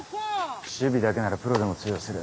守備だけならプロでも通用する。